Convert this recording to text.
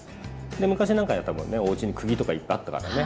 昔なんかだと多分ねおうちにくぎとかいっぱいあったからね。